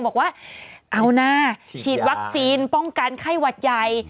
บอกว่าเอานะฉีดวัคซีนป้องกันไข้หวัดใหญ่